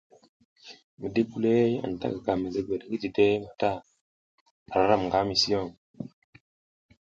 Mi di kulihey anta gaka mesegwel ngi didehey mata, ara ram nga mison.